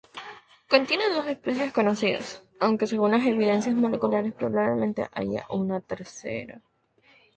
Contiene dos especies conocidas, aunque, según las evidencias moleculares, probablemente haya una tercera.